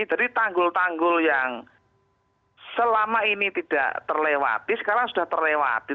jadi tanggul tanggul yang selama ini tidak terlewati sekarang sudah terlewati